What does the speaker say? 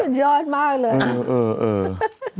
ยอดมากเลย